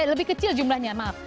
lebih kecil jumlahnya maaf